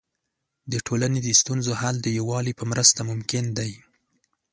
د ټولنې د ستونزو حل د یووالي په مرسته ممکن دی.